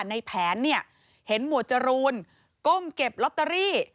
ในแผนเนี่ยเห็นหมวดจรูนก้มเก็บลอตเตอรี่